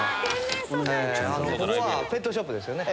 ここはペットショップですよね？